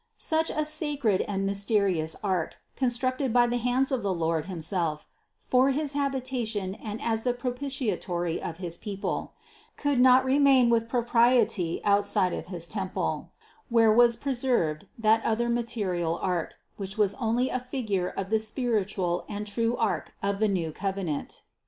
416. Such a sacred and mysterious Ark, constructed by the hands of the Lord himself for his habitation and as the propitiatory of his people, could not remain with propriety outside of his temple, where was preserved that other material ark, which was only a figure of this spir itual and true Ark of the new covenant.